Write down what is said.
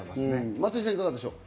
松井さん、いかがでしょう？